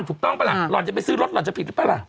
ถูกต้องปะล่ะหล่อนจะไปซื้อรถหล่อนจะผิดหรือเปล่าล่ะ